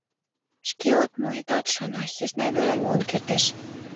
Шке от му, итат шоно, сӧсна веле муын кертеш.